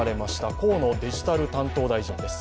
河野デジタル大臣です。